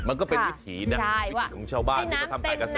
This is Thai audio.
มันก็เป็นวิถีนะวิถีของชาวบ้านที่เขาทำการเกษตร